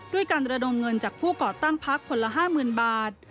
ด้วยการระดมเงินจากผู้ก่อตั้งพักคนละ๕๐๐๐บาท